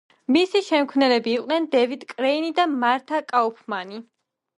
მისი შემქმნელები იყვნენ დევიდ კრეინი და მართა კაუფმანი.